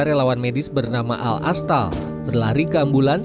relawan medis bernama al astal berlari ke ambulans